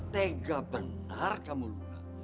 tega benar kamu luna